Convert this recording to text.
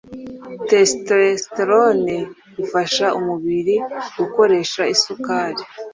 testosterone ifasha umubiri gukoresha isukari